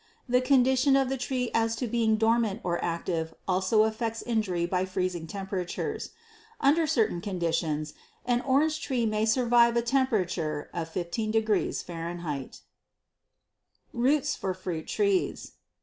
The condition of the tree as to being dormant or active also affects injury by freezing temperatures. Under certain conditions an orange tree may survive a temperature of 15° Fahrenheit. Roots for Fruit Trees.